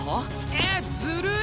えっずるい！